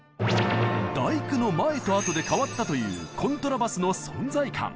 「第九」の前と後で変わったというコントラバスの存在感。